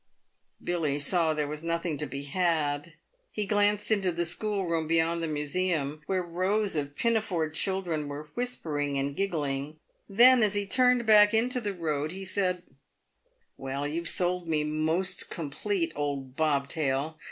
Billy saw there was nothing to be had. He glanced into the schoolroom beyond the museum, where rows of pinafored children were whispering and giggling ; then, as he turned back into the road, he said, " "Well you've sold me most complete, old ' Bob tail'.